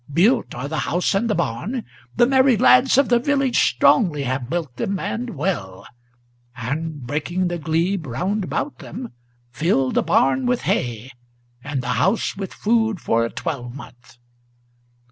Built are the house and the barn. The merry lads of the village Strongly have built them and well; and, breaking the glebe round about them, Filled the barn with hay, and the house with food for a twelvemonth.